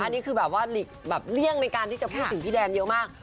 อันนี้คือเลี่ยงในการที่จะพูดถึงพี่แดนเยอะมาก